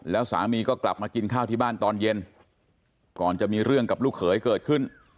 แล้วสามีก็กลับมากินข้าวที่บ้านตอนเย็นก่อนจะมีเรื่องกับลูกเขยเกิดขึ้น